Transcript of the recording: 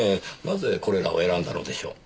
なぜこれらを選んだのでしょう？